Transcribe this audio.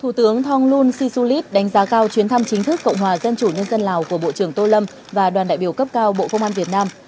thủ tướng thonglun sisulit đánh giá cao chuyến thăm chính thức cộng hòa dân chủ nhân dân lào của bộ trưởng tô lâm và đoàn đại biểu cấp cao bộ công an việt nam